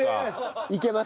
いけます